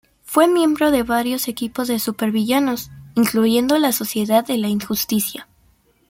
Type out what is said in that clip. Fue miembro de varios equipos de supervillanos, incluyendo la Sociedad de la injusticia.